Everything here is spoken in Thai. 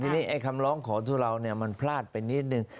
ทีนี้ไอ้คำร้องขอทุเรามันพลาดไปนิดนึง